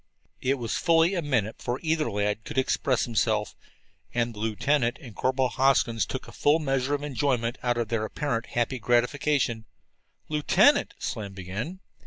It was fully a minute before either lad could express himself, and the lieutenant and Corporal Hoskins took a full measure of enjoyment out of their apparent happy gratification. "Lieutenant " Slim began.